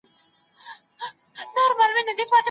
نقاش د زاڼو په کتار پسې اسمان ته ګوري